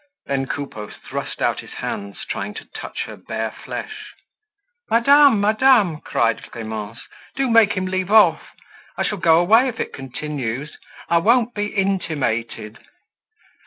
Then Coupeau thrust out his hands, trying to touch her bare flesh. "Madame! Madame!" cried Clemence, "do make him leave off! I shall go away if it continues. I won't be intimated."